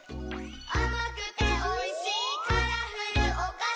「あまくておいしいカラフルおかし」